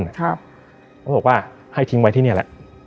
เขาบอกว่าให้ทิ้งไว้ที่นี่แหละ